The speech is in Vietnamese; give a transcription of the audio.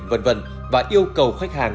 vân vân và yêu cầu khách hàng